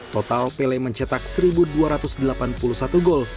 total pele mencetak satu dua ratus delapan puluh satu gol